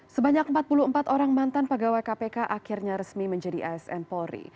sebanyak empat puluh empat orang mantan pegawai kpk akhirnya resmi menjadi asn polri